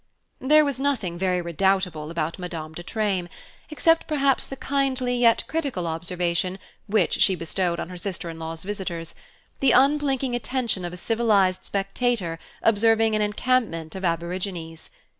There was nothing very redoubtable about Madame de Treymes, except perhaps the kindly yet critical observation which she bestowed on her sister in law's visitors: the unblinking attention of a civilized spectator observing an encampment of aborigines.